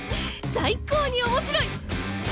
最高に面白い！